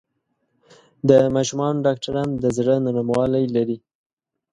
د ماشومانو ډاکټران د زړۀ نرموالی لري.